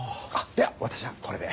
では私はこれで。